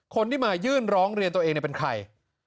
คนที่มายื่นร้องเรียนตัวเองเป็นใคร